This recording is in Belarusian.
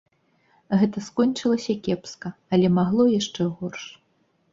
Гэта скончылася кепска, але магло яшчэ горш.